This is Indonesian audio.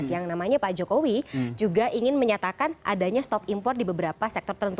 yang namanya pak jokowi juga ingin menyatakan adanya stop impor di beberapa sektor tertentu